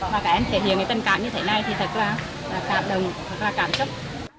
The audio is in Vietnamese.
và các em thể hiện tình cảm như thế này thì thật là cảm động thật là cảm xúc